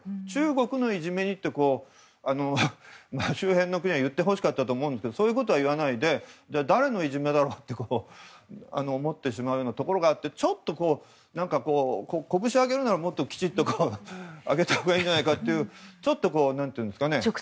中国のいじめって周辺の国は言ってほしかったんですけどそういうふうには言わないでじゃあ、誰のいじめだろうと思ってしまうところがあってちょっと、拳を上げるならもっと、きちっと上げたほうがいいんじゃないかと。